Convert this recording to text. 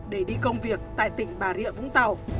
để đi công việc tại tỉnh bà rịa vũng tàu